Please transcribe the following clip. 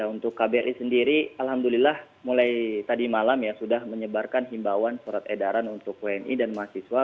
untuk kbri sendiri alhamdulillah mulai tadi malam ya sudah menyebarkan himbauan surat edaran untuk wni dan mahasiswa